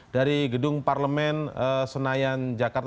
dari gedung parlemen senayan jakarta